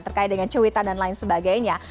terkait dengan cuitan dan lain sebagainya